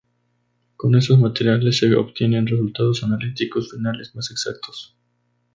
Con estos materiales se obtienen resultados analíticos finales más exactos.